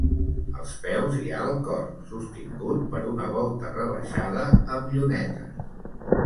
Als peus hi ha el cor, sostingut per una volta rebaixada amb llunetes.